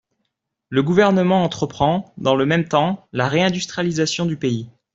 Le Gouvernement entreprend, dans le même temps, la réindustrialisation du pays.